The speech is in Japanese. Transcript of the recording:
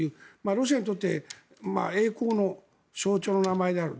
ロシアにとって栄光の象徴の名前である。